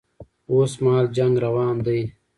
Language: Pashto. اوس مهال جنګ روان ده